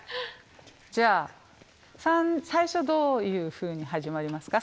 じゃあ最初どういうふうに始まりますか？